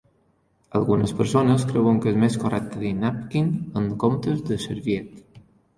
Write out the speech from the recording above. Algunes persones creuen que és més correcte dir "napkin" en comptes de "serviette"